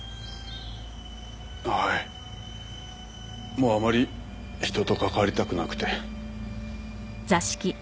もうあまり人と関わりたくなくて。